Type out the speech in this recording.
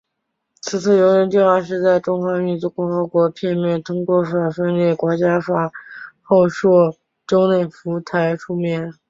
此次游行计画是在中华人民共和国片面通过反分裂国家法后数周内浮出台面。